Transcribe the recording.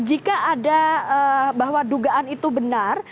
jika ada bahwa dugaan itu benar